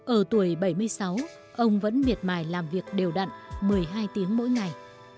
ở tuổi bảy mươi sáu ông vẫn miệt mài làm việc đều đặn một mươi hai tiếng mỗi ngày